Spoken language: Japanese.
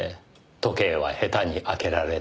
時計は下手に開けられない。